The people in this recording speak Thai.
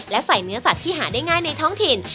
และใส่เนื้อสัตว์ที่หาได้ง่ายในท้องถิ่น